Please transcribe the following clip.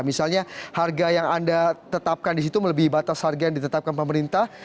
misalnya harga yang anda tetapkan di situ melebihi batas harga yang ditetapkan pemerintah